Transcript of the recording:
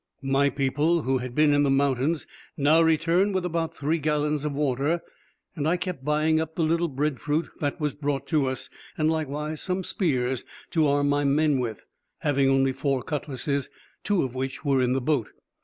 My people, who had been in the mountains, now returned with about three gallons of water. I kept buying up the little bread fruit that was brought to us, and likewise some spears to arm my men with, having only four cutlasses, two of which were in the boat.